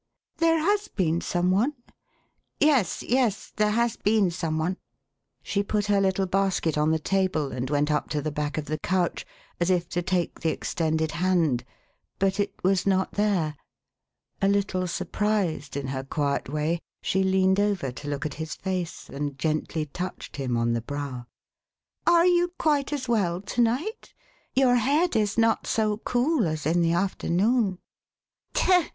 There has been some one ?"" Yes, yes, there has been some one." She put her little basket on the table, and went up to the back of the couch, as< if to take the extended hand — but it was not there. A little surprised, in her quiet way, she leaned over to look at his face, and gently touched him on the brow. "Are you quite as well to night? Your head is not so cool as in the afternoon." " Tut